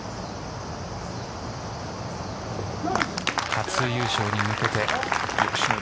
初優勝に向けて。